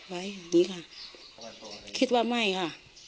ไว้อย่างนี้ค่ะคิดว่าไม่ค่ะ